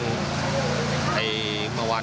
มันก็มีบ้าง